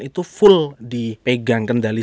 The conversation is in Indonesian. itu full dipegang kendali